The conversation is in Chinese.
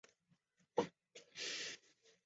乌索兄弟是由吉米跟杰两个双胞胎组成。